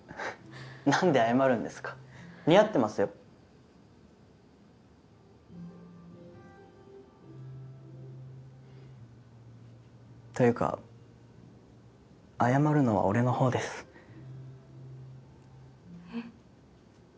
なんで謝るんですか似合ってますよというか謝るのは俺のほうですえっ？